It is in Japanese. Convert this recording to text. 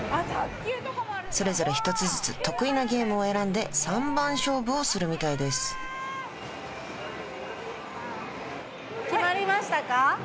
それぞれ１つずつ得意なゲームを選んで３番勝負をするみたいです決まりましたか？